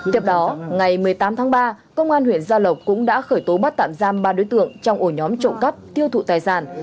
tiếp đó ngày một mươi tám tháng ba công an huyện gia lộc cũng đã khởi tố bắt tạm giam ba đối tượng trong ổ nhóm trộm cắp tiêu thụ tài sản